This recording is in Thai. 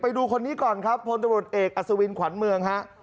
ไปดูคนนี้ก่อนครับพลตรวจเอกอสวินขวานเมือง